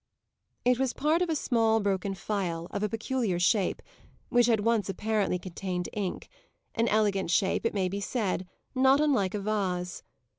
It was part of a small broken phial, of a peculiar shape, which had once apparently contained ink; an elegant shape, it may be said, not unlike a vase.